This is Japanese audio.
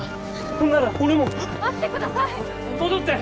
そんなら俺も待ってください戻って！